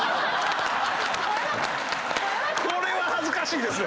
これは恥ずかしいですよ。